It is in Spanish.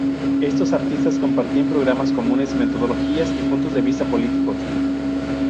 Estos artistas compartían programas comunes, metodologías, y puntos de vistas políticos.